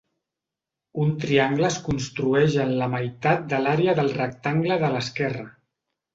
Un triangle es construeix en la meitat de l'àrea del rectangle de l'esquerra.